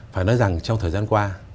phải nói rằng trong thời gian qua